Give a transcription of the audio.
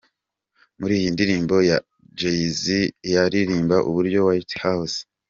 Muri iyi ndirimbo Jay-Z aririmba uburyo White House.